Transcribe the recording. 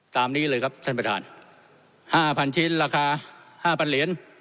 ตามนี้เลยครับท่านประธาน๕๐๐ชิ้นราคา๕๐๐เหรียญ